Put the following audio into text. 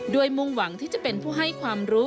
โดยมุ่งหวังที่จะเป็นผู้ให้ความรู้